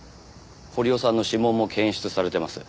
堀尾さんの指紋も検出されてます。